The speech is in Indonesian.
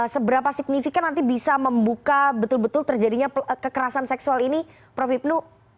seberapa signifikan nanti bisa membuka betul betul terjadinya kekerasan seksual ini prof hipnu